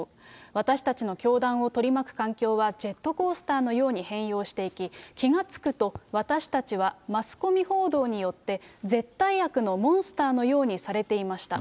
私たちの教団を取り巻く環境はジェットコースターのように変容していき、気が付くと私たちはマスコミ報道によって、絶対悪のモンスターのようにされていました。